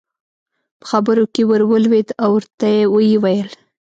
په خبرو کې ور ولوېد او ورته ویې وویل.